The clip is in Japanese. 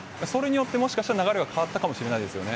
それによって流れが変わったかもしれないですよね。